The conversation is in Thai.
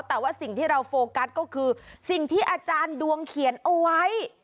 แต่ว่าสิ่งที่เราโฟกัสก็คือสิ่งที่อาจารย์ดวงเขียนเอาไว้